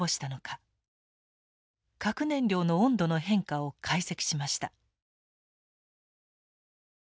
核燃料の温度の変化を解析しました。